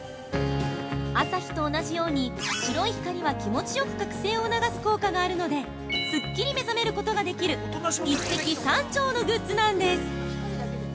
朝日と同じように白い光は、気持ちよく覚醒を促す効果があるので、すっきり目覚めることができる一石三鳥のグッズなんです。